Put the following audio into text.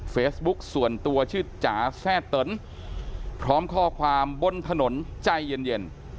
เฟซบุ๊กส่วนตัวชื่อจ๋าแซ่เตินพร้อมข้อความบนถนนใจเย็น